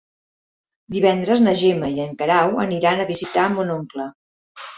Divendres na Gemma i en Guerau aniran a visitar mon oncle.